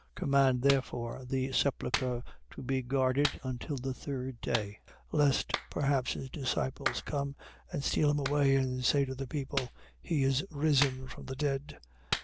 27:64. Command therefore the sepulchre to be guarded until the third day: lest perhaps his disciples come and steal him away and say to the people: He is risen from the dead.